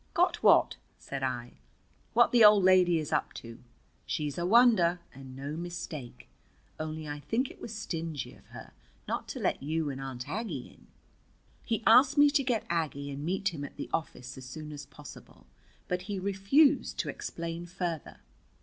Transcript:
"Got what?" said I. "What the old lady is up to. She's a wonder, and no mistake. Only I think it was stingy of her not to let you and Aunt Aggie in." He asked me to get Aggie and meet him at the office as soon as possible, but he refused to explain further.